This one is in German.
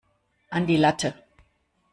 An die Latte!